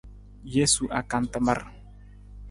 Jesu akantamar.